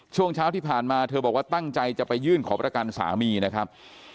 ช่วงเช้าที่ผ่านมาเธอบอกว่าตั้งใจจะไปยื่นขอประกันสามีนะครับ